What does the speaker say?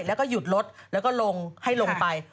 แล้วก็หยุดรถแล้วก็ลงให้ลงไป